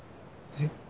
えっ？